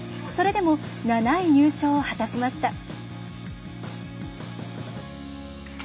それでも、７位入賞を果たしました。